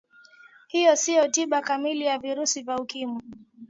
hiyo siyo tiba kamili ya virusi ya ukimwi